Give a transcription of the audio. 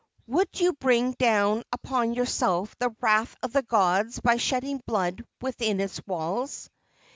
Would you bring down upon yourself the wrath of the gods by shedding blood within its walls?"